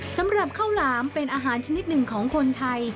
สำหรับข้าวหลามเป็นอาหารชนิดหนึ่งของคนไทย